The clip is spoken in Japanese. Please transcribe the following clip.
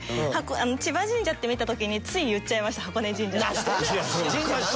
千葉神社って見た時につい言っちゃいました箱根神社って。